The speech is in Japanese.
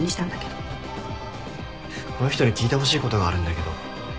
この人に聞いてほしい事があるんだけど。